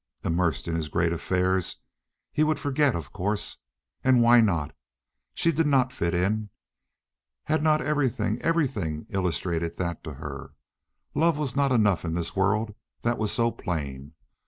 Immersed in his great affairs, he would forget, of course. And why not? She did not fit in. Had not everything—everything illustrated that to her? Love was not enough in this world—that was so plain.